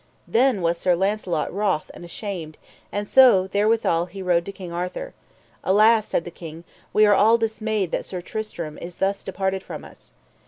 Then was Sir Launcelot wroth and ashamed, and so therewithal he rode to King Arthur. Alas, said the king, we are all dismayed that Sir Tristram is thus departed from us.